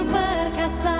termine'lla aku menyusahkan